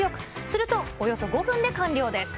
すると、およそ５分で完了です。